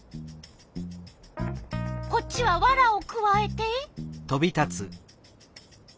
こっちはワラをくわえて。